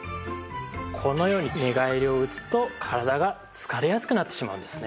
このように寝返りを打つと体が疲れやすくなってしまうんですね。